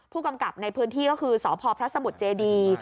ผู้กำกับในพื้นที่ก็คือสพพระสมุทรเจดี